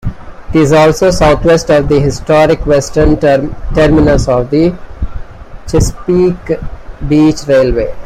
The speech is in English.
It is also southwest of the historic western terminus of the Chesapeake Beach Railway.